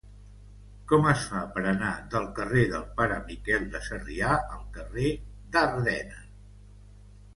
Com es fa per anar del carrer del Pare Miquel de Sarrià al carrer d'Ardena?